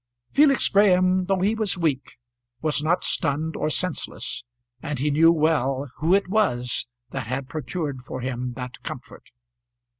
Felix Graham, though he was weak, was not stunned or senseless, and he knew well who it was that had procured for him that comfort.